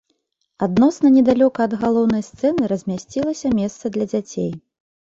Адносна недалёка ад галоўнай сцэны размясцілася месца для дзяцей.